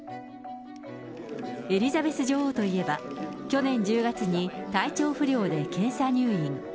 エリザベス女王といえば、去年１０月に体調不良で検査入院。